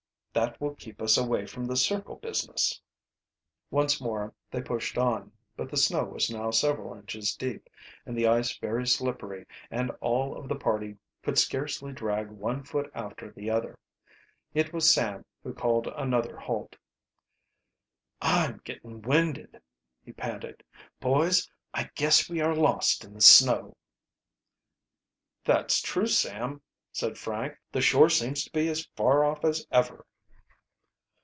"That will keep us away from the circle business." Once more they pushed on, but the snow was now several inches deep, and the ice very slippery and all of the party could scarcely drag one foot after the other. It was Sam who called another halt. "I'm getting winded!" he panted. "Boys, I guess we are lost in the snow." "That's true, Sam," said Frank. "The shore seems to be as far off as ever."